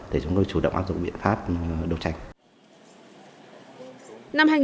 để chúng tôi chủ động áp dụng biện pháp đấu tranh